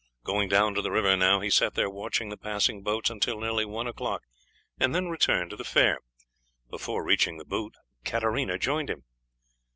Going down to the river now, he sat there watching the passing boats until nearly one o'clock, and then returned to the fair. Before reaching the booth Katarina joined him.